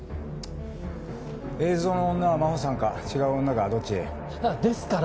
映像の女は真帆さんか違う女かどっち？ですから。